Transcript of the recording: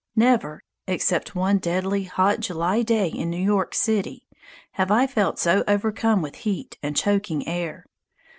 Never, except one deadly hot July day in New York City, have I felt so overcome with heat and choking air.